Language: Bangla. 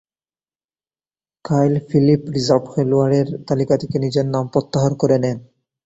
কাইল ফিলিপ রিজার্ভ খেলোয়াড়ের তালিকা থেকে নিজের নাম প্রত্যাহার করে নেন।